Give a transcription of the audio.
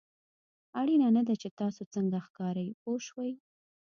اړینه نه ده چې تاسو څنګه ښکارئ پوه شوې!.